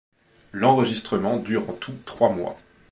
L'enregistrement dure en tout trois mois.